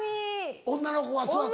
女の子が座ったら。